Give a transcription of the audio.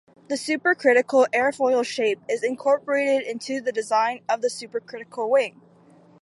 The supercritical airfoil shape is incorporated into the design of a supercritical wing.